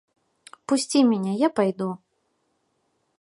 Пусці мяне, я пайду.